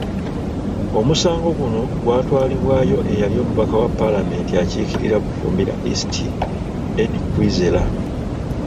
Omusango guno gwatwalibwayo eyali omubaka wa Paalamenti akiikirira Bufumbira East, Eddie Kwizera.